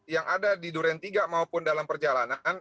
yang ada di duren tiga maupun dalam perjalanan